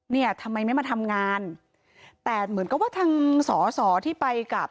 เนี่ยทำไมไม่มาทำงานแต่เหมือนกับว่าทางสอสอที่ไปกับ